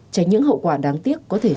tránh những hậu quả đáng tiếc có thể xảy ra